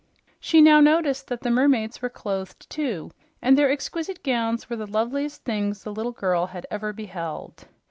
She now noticed that the mermaids were clothed, too, and their exquisite gowns were the loveliest thing the little girl had ever beheld.